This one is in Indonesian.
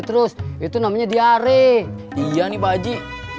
terus itu namanya diare iya nih baju